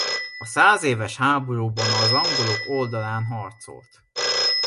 A százéves háborúban az angolok oldalán harcolt.